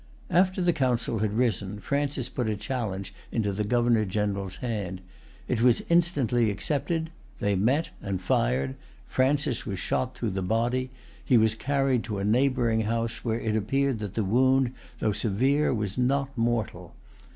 After the Council had risen, Francis put a challenge into the Governor General's hand. It was instantly accepted. They met, and fired. Francis was shot through the body. He was carried to a neighboring house, where it appeared that the wound, though severe, was not mortal.